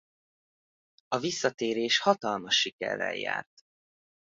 A visszatérés hatalmas sikerrel járt.